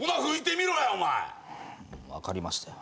分かりましたよ。